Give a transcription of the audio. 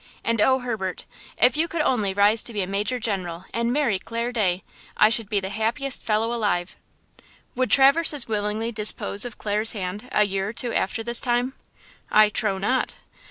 and oh, Herbert! If you could only rise to be a major general and marry Clare Day, I should be the happiest fellow alive!" Would Traverse as willingly dispose of Clare's hand a year or two after this time? I trow not!